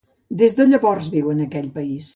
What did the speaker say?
Des de llavors viu en aquell país.